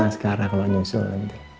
kasih ya askara kalau nyusul nanti